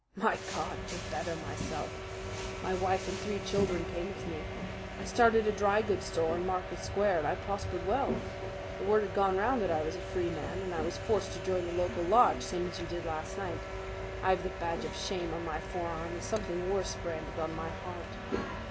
My God! to better myself! My wife and three children came with me. I started a drygoods store on Market Square, and I prospered well. The word had gone round that I was a Freeman, and I was forced to join the local lodge, same as you did last night. I've the badge of shame on my forearm and something worse branded on my heart.